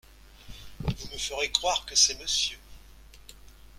Vous me ferez croire que c’est Monsieur…